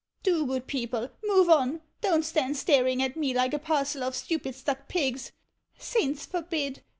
Do, good people, move on ! don't stand staring at me like a parcel of stupid stmk pigs; Saints forbid!